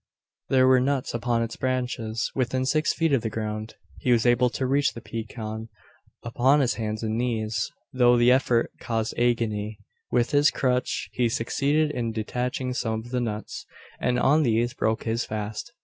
There were nuts upon its branches, within six feet of the ground. He was able to reach the pecan upon his hands and knees; though the effort caused agony. With his crutch he succeeded in detaching some of the nuts; and on these broke his fast.